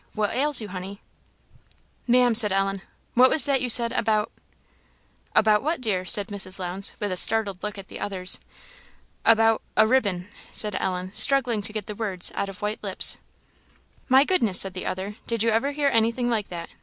"What ails you, honey?" "Ma'am," said Ellen "what was that you said, about " "About what, dear?" said Mrs. Lowndes, with a startled look at the others. "About a ribbon?" said Ellen, struggling to get the words out of white lips. "My goodness!" said the other; "did you ever hear anything like that?